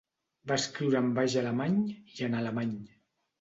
Va escriure en baix alemany i en alemany.